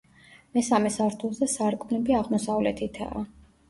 მესამე სართულზე სარკმლები აღმოსავლეთითაა.